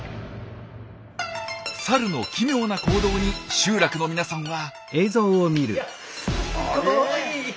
サルの奇妙な行動に集落の皆さんは。